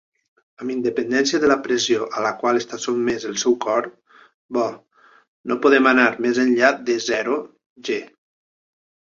Amb independència de la pressió a la qual està sotmès el seu cor, bo, no podem anar més enllà de zero "g".